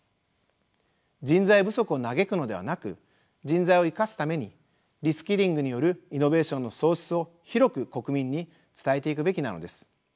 人材不足を嘆くのではなく人材を生かすためにリスキリングによるイノベーションの創出を広く国民に伝えていくべきなのです。